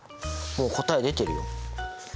もう答え出てるよ。